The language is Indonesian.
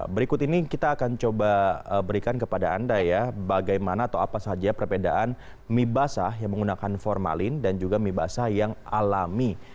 berikut ini kita akan coba berikan kepada anda ya bagaimana atau apa saja perbedaan mie basah yang menggunakan formalin dan juga mie basah yang alami